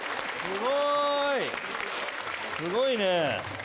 すごいね。